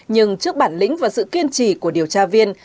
nhưng trước bản lĩnh và sự kiên trì của điều tra viên